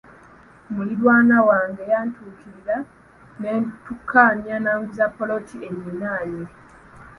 Muliraanwa wange yantuukirira ne tukkaanya n’anguza ppoloti enninaanye.